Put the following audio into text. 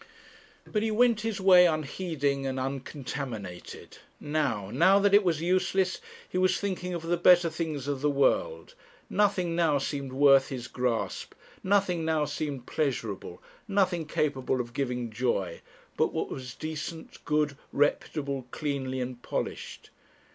But he went his way unheeding and uncontaminated. Now, now that it was useless, he was thinking of the better things of the world; nothing now seemed worth his grasp, nothing now seemed pleasurable, nothing capable of giving joy, but what was decent, good, reputable, cleanly, and polished.